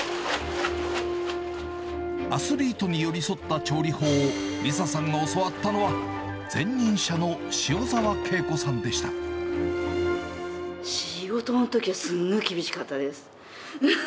アスリートに寄り添った調理法をリサさんが教わったのは、仕事のときはすごい厳しかったです。